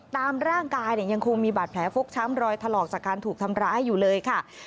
ตามร่างกายยังคงมีบาดแผลฟกช้ำรอยถลอกจากการถูกทำร้ายอยู่เลยค่ะ